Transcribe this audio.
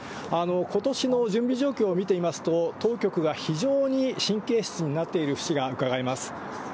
ことしの準備状況を見てみますと、当局が非常に神経質になっている節がうかがえます。